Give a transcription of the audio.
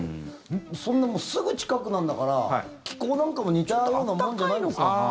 そんなもんすぐ近くなんだから気候なんかも似たようなもんじゃないんですか？